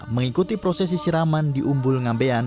mengikuti prosesi siraman di umbul ngambean